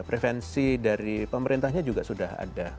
prevensi dari pemerintahnya juga sudah ada